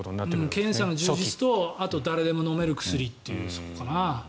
検査の充実とあと、誰でも飲める薬かな。